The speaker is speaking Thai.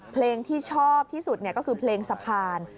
เพลงที่ชอบที่สุดก็คือเพลงสะพาน